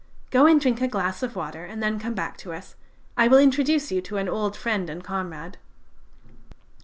Go and drink a glass of water and then come back to us; I will introduce you to an old friend and comrade.'